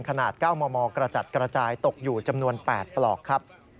ขนาด๙มมกระจัดกระจายตกอยู่จำนวน๘ปลอกครับ